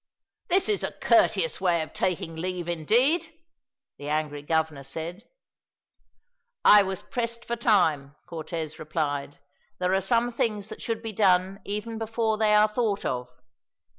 "This is a courteous way of taking leave, indeed!" the angry governor said. "I was pressed for time," Cortez replied. "There are some things that should be done even before they are thought of.